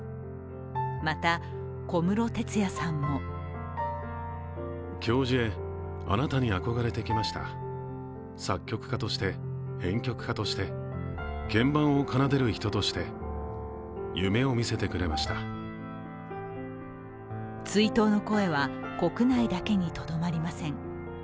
また、小室哲哉さんも追悼の声は国内だけにとどまりません。